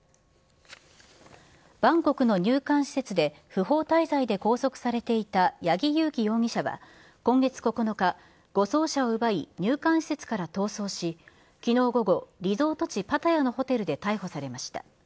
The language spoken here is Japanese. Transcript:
バンコクの入管施設で、不法滞在で拘束されていた八木佑樹容疑者は今月９日、護送車を奪い、入管施設から逃走し、きのう午後、リゾート地パタヤのホテルで逮捕されました。